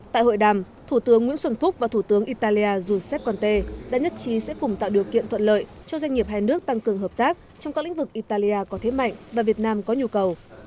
tại hội đàm thủ tướng nguyễn xuân phúc và thủ tướng italia giuseppe conte đã nhất trí sẽ cùng tạo điều kiện thuận lợi cho doanh nghiệp hai nước tăng cường hợp tác trong các lĩnh vực italia có thế mạnh và việt nam có nhu cầu